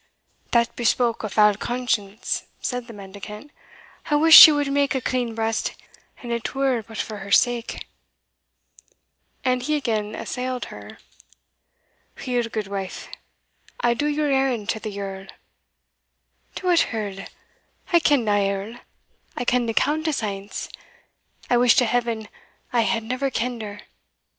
"That bespoke a foul conscience," said the mendicant; "I wuss she wad mak a clean breast, an it were but for her sake;" and he again assailed her. "Weel, gudewife, I did your errand to the Yerl." "To what Earl? I ken nae Earl; I ken'd a Countess ance I wish to Heaven I had never ken'd her!